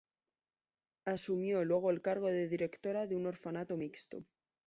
Asumió luego el cargo de directora de un orfanato mixto.